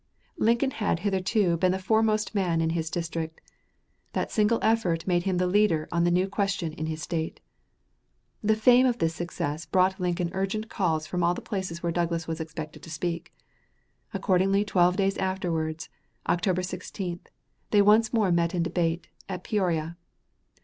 Lincoln had hitherto been the foremost man in his district. That single effort made him the leader on the new question in his State. The fame of this success brought Lincoln urgent calls from all the places where Douglas was expected to speak. Accordingly, twelve days afterwards, October 16, they once more met in debate, at Peoria.